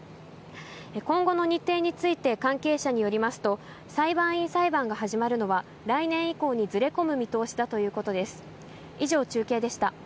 今後の日程について関係者によりますと、裁判員裁判が始まるのは、来年以降にずれ込む見通しだということです。